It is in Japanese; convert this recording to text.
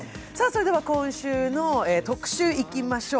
今週の特集いきましょう。